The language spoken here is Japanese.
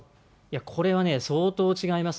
これはね、相当違います。